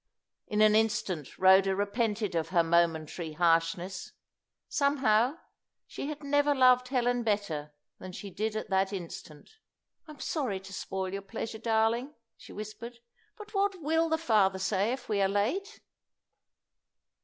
In an instant Rhoda repented of her momentary harshness; somehow she had never loved Helen better than she did at that instant. "I'm sorry to spoil your pleasure, darling," she whispered; "but what will the father say if we are late?"